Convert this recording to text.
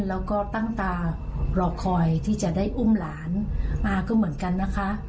แล้วก็ตั้งตารอคอยที่จะได้อุ้มหลานมาก็เหมือนกันนะคะ